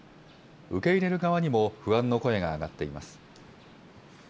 受け入れる側にも不安の声が上がっています。